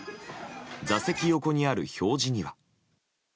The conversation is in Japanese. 座席横にある表示には。